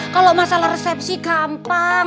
kalau masalah resepsi gampang